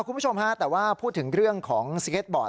คุณผู้ชมฮะแต่ว่าพูดถึงเรื่องของสเก็ตบอร์ด